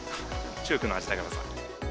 中国の味だから。